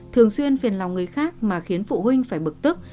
thường xuyên phiền lòng người khác mà khiến phụ huynh phải bực tức